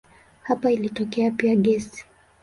Hapa ilitokea pia gesi.